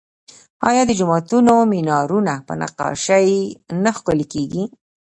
آیا د جوماتونو مینارونه په نقاشۍ نه ښکلي کیږي؟